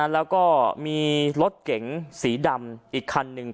แล้วก็มีรถเก๋งสีดำอีกคันหนึ่ง